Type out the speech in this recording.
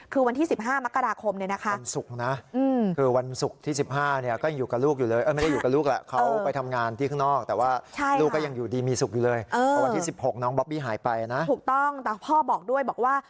คือวันที่๑๕มกราคมนี่นะคะ